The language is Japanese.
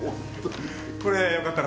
これよかったらどうぞ。